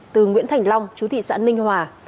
của nguyễn thành long chú thị xã ninh hòa